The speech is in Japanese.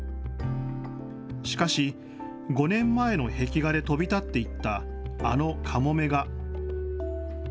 しかし５年前の壁画で飛び立っていったあのカモメが。